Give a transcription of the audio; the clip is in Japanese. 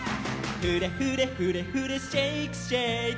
「フレフレフレフレシェイクシェイク」